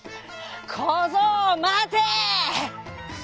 「こぞうまて」。